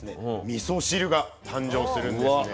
みそ汁が誕生するんですね。